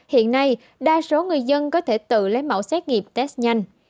hiện nay đa số người dân có thể tự lấy mẫu xét nghiệm test nhanh